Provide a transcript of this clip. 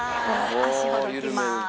足ほどきます。